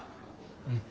うん。